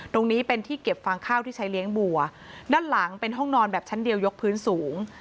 ตรงนี้เป็นที่เก็บฟางข้าวที่ใช้เลี้ยงบัวด้านหลังเป็นห้องนอนแบบชั้นเดียวยกพื้นสูง